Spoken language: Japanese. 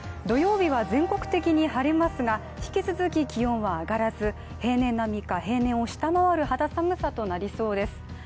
土曜日は全国的に晴れますが、引き続き気温は上がらず、平年並みか平年を下回る肌寒さとなりそうです。